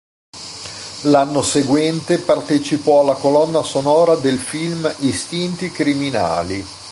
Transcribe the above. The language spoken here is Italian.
L'anno seguente, partecipò alla colonna sonora del film Istinti criminali.